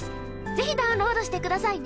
ぜひダウンロードしてくださいね。